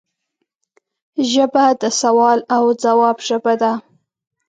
ژبه د سوال او ځواب ژبه ده